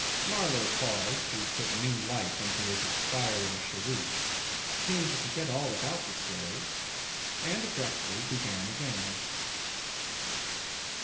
...' Marlow paused to put new life into his expiring cheroot, seemed to forget all about the story, and abruptly began again.